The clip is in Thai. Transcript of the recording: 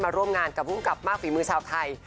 ร่วมงานกับภูมิกับมากฝีมือชาวไทย